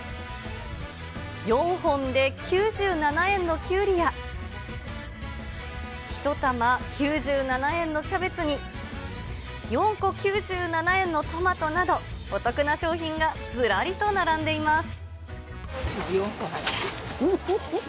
４本で９７円のキュウリや、１玉９７円のキャベツに、４個９７円のトマトなど、お得な商品がずらりと並んでいます。